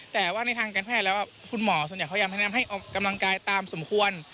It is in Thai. แต่ว่าในทางการแพทย์แล้วคุณหมอส่วนใหญ่เขายังแนะนำให้ออกกำลังกายตามสมควร